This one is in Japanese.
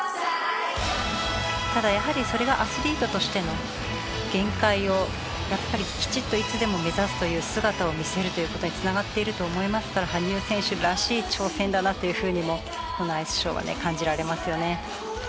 ただやはりそれがアスリートとしての限界をやっぱりきちっといつでも目指すという姿を見せるという事に繋がっていると思いますから羽生選手らしい挑戦だなというふうにもこのアイスショーはね感じられますよね。